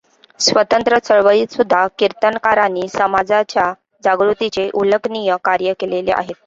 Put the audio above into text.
स्वातंत्र्य चळवळीतसुद्धा कीर्तनकारांनी समाजाच्या जागृतीचे उल्लेखनीय कार्य केलेले आहे.